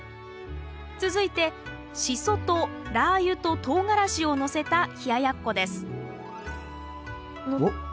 続いてシソとラー油とトウガラシをのせた冷ややっこですおっ